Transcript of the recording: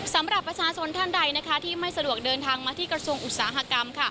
สำหรับประชาชนท่านใดที่ไม่สะดวกเดินทางมาที่กระทรวงอุตสาหกรรม